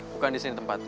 bukan disini tempatnya